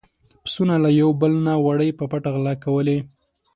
پسونو له يو بل نه وړۍ په پټه غلا کولې.